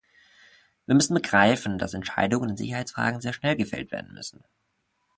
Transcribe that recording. Wir müssen begreifen, dass Entscheidungen in Sicherheitsfragen sehr schnell gefällt werden müssen.